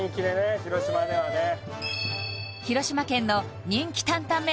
広島ではねええ広島県の人気担々麺